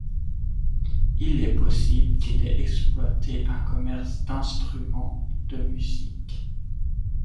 Il est possible qu'il ait exploité un commerce d'instruments de musique.